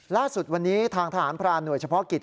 ล่าสุดวันนี้ทางทหารพรานหน่วยเฉพาะกิจ